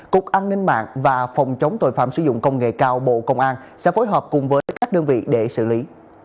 cục an ninh mạng và phòng chống tội phạm sử dụng công nghệ cao bộ công an sẽ phối hợp cùng với các đơn vị để xử lý